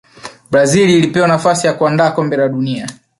brazil ilipewa nafasi ya kuandaa kombe la duni